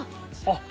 あっ！